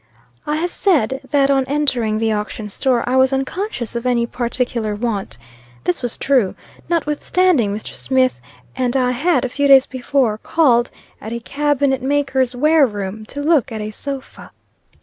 I have said, that on entering the auction store, I was unconscious of any particular want. This was true, notwithstanding Mr. Smith and I had, a few days before, called at a cabinet maker's wareroom, to look at a sofa.